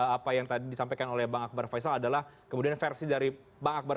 apa yang tadi disampaikan oleh bang akbar faisal adalah kemudian versi dari bang akbar